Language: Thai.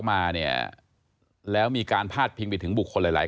ก็ไม่รู้ว่าฟ้าจะระแวงพอพานหรือเปล่า